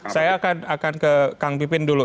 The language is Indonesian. saya akan ke kang pipin dulu